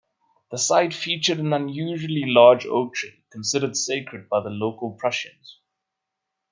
The site featured an unusually large oak tree, considered sacred by the local Prussians.